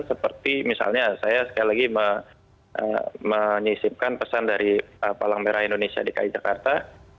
seperti misalnya saya sekali lagi menyisipkan pesan dari palang merah indonesia dki jakarta